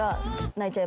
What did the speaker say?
泣いちゃう！